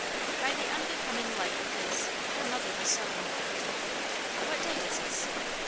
By the unbecoming light of this, her mother was sewing. What day was this?